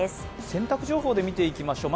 洗濯情報で見ていきましょう。